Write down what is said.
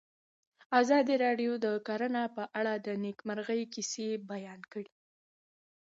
ازادي راډیو د کرهنه په اړه د نېکمرغۍ کیسې بیان کړې.